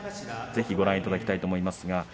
ぜひご覧いただきたいと思います。